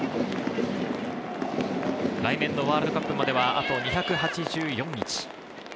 来年のワールドカップまではあと２８４日。